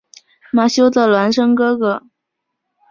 马修的孪生哥哥。